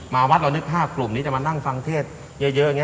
วัดเรานึกภาพกลุ่มนี้จะมานั่งฟังเทศเยอะอย่างนี้